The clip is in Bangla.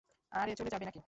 আরে, চলে যাবে নাকি?